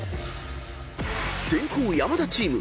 ［先攻山田チーム。